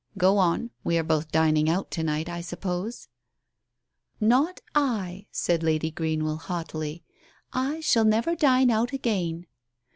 Go on. We are both dining out to night, I suppose ?" "Not I," said Lady Greenwell haughtily. "I shall never dine out again."